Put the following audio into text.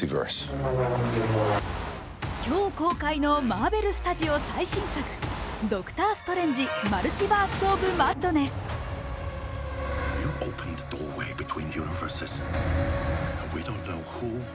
今日公開のマーベル・スタジオ最新作「ドクター・ストレンジ／マルチバース・オブ・マッドネス」。